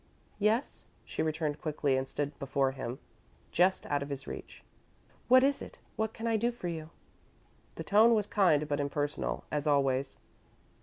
"Yes?" She returned quickly and stood before him, just out of his reach. "What is it? What can I do for you?" The tone was kind but impersonal, as always.